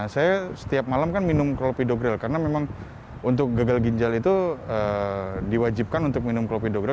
saya setiap malam kan minum klopidogril karena memang untuk gagal ginjal itu diwajibkan untuk minum klopidogral